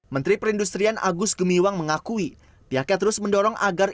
menteri perindustrian agus gemiwang mengakui pihaknya terus mendorong agar